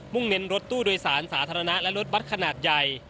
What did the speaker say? เน้นรถตู้โดยสารสาธารณะและรถบัตรขนาดใหญ่